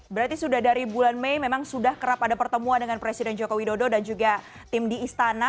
berarti sudah dari bulan mei memang sudah kerap ada pertemuan dengan presiden joko widodo dan juga tim di istana